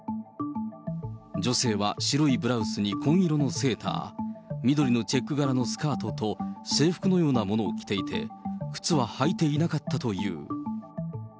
女性は白いブラウスに紺色のセーター、緑のチェック柄のスカートと、制服のようなものを着ていて、靴は履いていなかったという。